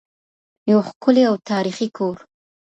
یو ښکلی او تاریخي کور.